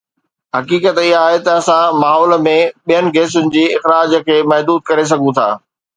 حقيقت اها آهي ته اسان ماحول ۾ ٻين گيسن جي اخراج کي محدود ڪري سگهون ٿا